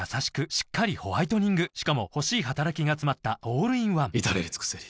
しっかりホワイトニングしかも欲しい働きがつまったオールインワン至れり尽せり